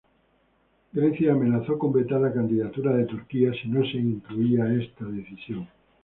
Grecia amenazó con vetar la candidatura de Turquía si no se incluía esta decisión.